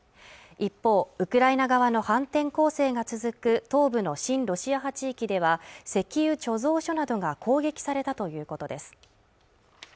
一方ウクライナ側の反転攻勢が続く東部の親ロシア派地域では石油貯蔵所などが攻撃されたということです